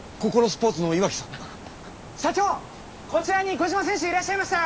社長こちらにコジマ選手いらっしゃいましたよ！